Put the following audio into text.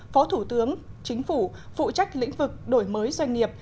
phó thủ tướng chính phủ phụ trách lĩnh vực đổi mới doanh nghiệp